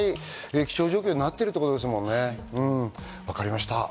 気象条件になってるということですもんね。